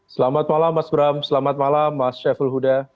selamat malam mas bram selamat malam mas syaful huda